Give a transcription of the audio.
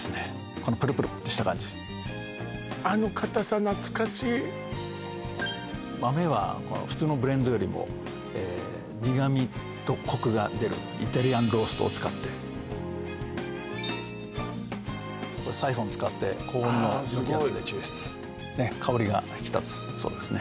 このプルプルっとした感じ豆は普通のブレンドよりも苦みとコクが出るイタリアンローストを使ってサイフォンを使って高温の蒸気圧で抽出香りが引き立つそうですね